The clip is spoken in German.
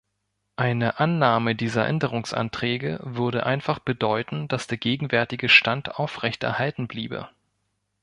Eine Annahme dieser Änderungsanträge würde einfach bedeuten, dass der gegenwärtige Stand aufrecht erhalten bliebe.